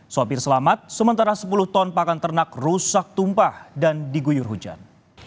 sopir selamat sementara sepuluh ton pakan ternak rusak tumpah dan diguyur hujan